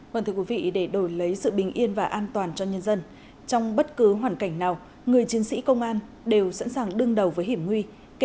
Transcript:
vâng thưa quý vị để đổi lấy sự bình yên và an toàn cho nhân dân trong bất cứ hoàn cảnh nào người chiến sĩ công an đều sẵn sàng đương đầu với hiểm nguy